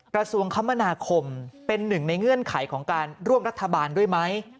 กระทรวงคมนาคมเป็นหนึ่งในเงื่อนไขของการร่วมรัฐบาลด้วยไหม